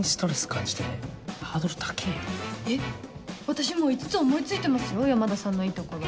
私もう５つ思い付いてますよ山田さんのいいところ。